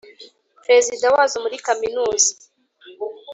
president wazo muri kaminuza,